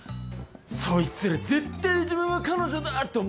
そいつら絶対自分は彼女だって思ってるよ。